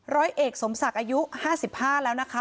ร้อยเอกสมศักดิ์อายุ๕๕แล้วนะคะ